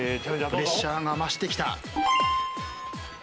プレッシャーが増してきた。